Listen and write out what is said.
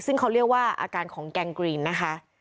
ซึ่งเขาเรียกว่าอาการของแกงกรีนนะคะ